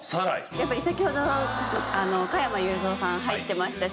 やっぱり先ほども加山雄三さん入ってましたし。